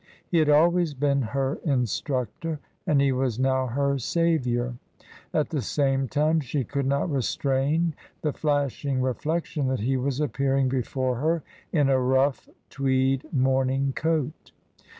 He had always been her instructor, and he was now her saviour. At the same time she could not restrain the flashing reflection that he was appearing before her in a rough tweed morning coat.